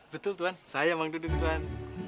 betul tuan saya mang dudung tuan